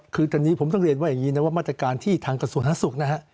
คือกันนี้ผมต้องเรียนว่าอย่างนี้นะว่ามาตรการที่ทางกสุนทรศุรกษ์